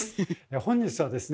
本日はですね